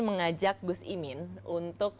mengajak gus imin untuk